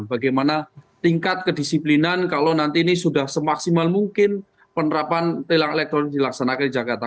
bagaimana tingkat kedisiplinan kalau nanti ini sudah semaksimal mungkin penerapan tilang elektronik dilaksanakan di jakarta